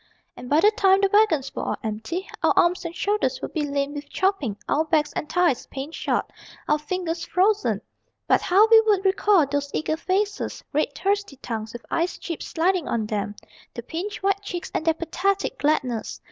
And by the time the wagons were all empty Our arms and shoulders would be lame with chopping, Our backs and thighs pain shot, our fingers frozen. But how we would recall those eager faces, Red thirsty tongues with ice chips sliding on them, The pinched white cheeks, and their pathetic gladness.